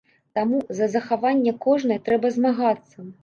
Таму за захаванне кожнай трэба змагацца.